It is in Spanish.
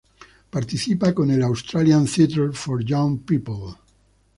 Participa con el "Australian Theatre for Young People".